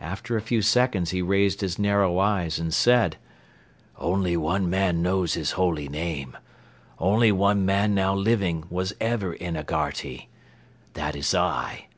After a few seconds he raised his narrow eyes and said: "Only one man knows his holy name; only one man now living was ever in Agharti. That is I.